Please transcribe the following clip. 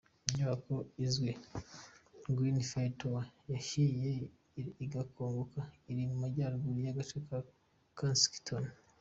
Inyubako izwi nka Grenfell Tower yahiye igakongoka, iri mu majyaruguru y’agace ka Kensington.